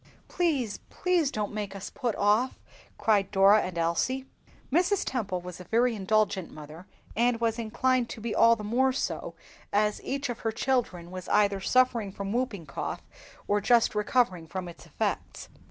"Please, please, don't make us put off!" cried Dora and Elsie. Mrs. Temple was a very indulgent mother, and was inclined to be all the more so as every one of her children was either suffering from whooping cough or just recovering from its effects.